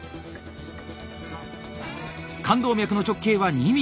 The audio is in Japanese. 冠動脈の直径は２ｍｍ。